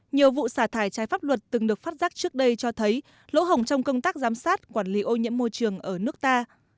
nhiều vụ xả thải trái pháp luật từng được phát giác trước đây cho thấy lỗ hồng trong công tác giám sát quản lý ô nhiễm môi trường ở nước ta